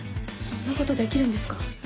そんなことできるんですか？